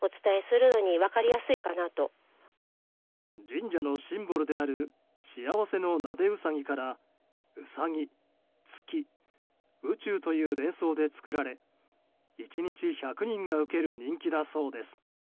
神社のシンボルである幸せのなでうさぎからウサギ、月、宇宙という連想で作られ１日１００人が受ける人気だそうです。